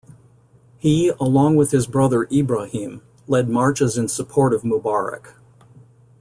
He, along with his brother Ibrahim, led marches in support of Mubarak.